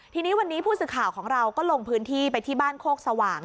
ทีนี้วันนี้ผู้สื่อข่าวของเราก็ลงพื้นที่ไปที่บ้านโคกสว่าง